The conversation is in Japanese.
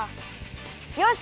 よし！